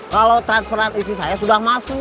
kalau transferan isi saya sudah masuk